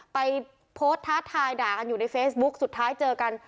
ไปโพสต์ท้าทายด่ากันอยู่ในเฟซบุ๊คสุดท้ายเจอกัน